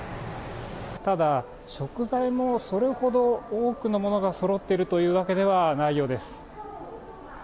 ただ食材もそれほど多くのものがそろっているというわけではないようです。